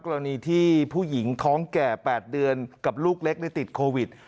กรณีที่ผู้หญิงท้องแก่๘เดือนกับลูกเล็กติดโควิด